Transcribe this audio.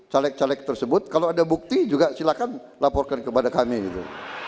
caleg caleg tersebut kalau ada bukti juga silakan laporkan kepada kami gitu